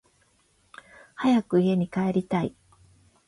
早く家に帰りたい